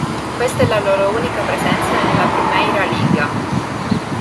Questa è la loro unica presenza nella Primeira Liga.